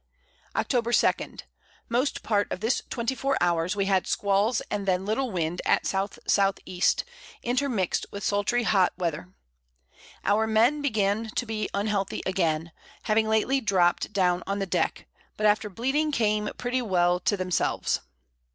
Octob. 2. Most part of this 24 Hours we had Squalls and then little Wind at S.S.E. intermixt with sultry hot Weather. Our Men begin to be unhealthy again, two having lately dropt down on the Deck, but after bleeding came pretty well to themselves.